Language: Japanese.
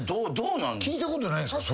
聞いたことないんすか？